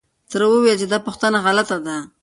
تره وويل چې دا پوښتنه غلطه ده.